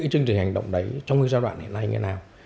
chương trình hành động đấy trong cái giai đoạn hiện nay như thế nào